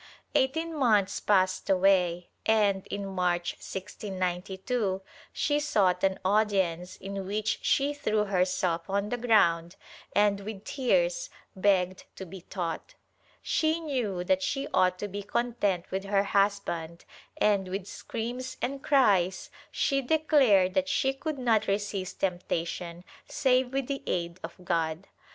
Eighteen months passed away and, in March, 1692, she sought an audience in which she threw herself on the ground and with tears begged to be taught; she knew that she ought to be content with her husband and, with screams and cries she declared that she could not resist temptation save with the aid of God.